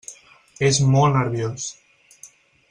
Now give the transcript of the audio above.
És molt nerviós.